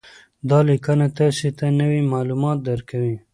دا لینک تاسي ته نوي معلومات درکوي.